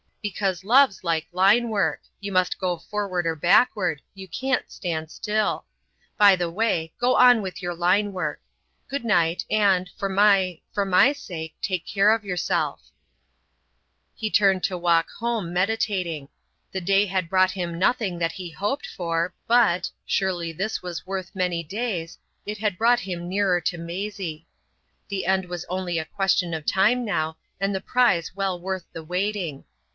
"Because love's like line work: you must go forward or backward; you can't stand still. By the way, go on with your line work. Good night, and, for my—for my sake, take care of yourself." He turned to walk home, meditating. The day had brought him nothing that he hoped for, but—surely this was worth many days—it had brought him nearer to Maisie. The end was only a question of time now, and the prize well worth the waiting.